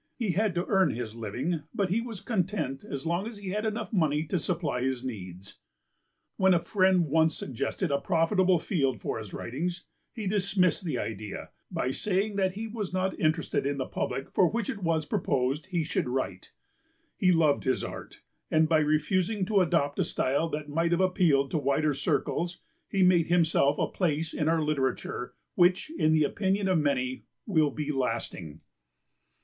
He had to earn his living, but he was content as long as he had enough money to supply his needs. When a friend once suggested a profitable field for his writings, he dismissed the idea by saying that he was not interested in the public for which it was proposed that he should write. He loved his art, and, by refusing to adopt a style that might have appealed to wider circles, he made himself a place in our literature which, in the opinion of many, will be lasting.